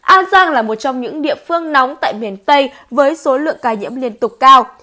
an giang là một trong những địa phương nóng tại miền tây với số lượng ca nhiễm liên tục cao